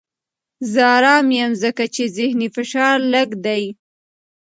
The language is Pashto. زه ارام یم ځکه چې ذهني فشار لږ دی.